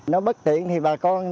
nó bất tiện thì bà con